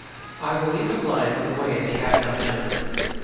*' I will lead the blind in a way the}^ have not known."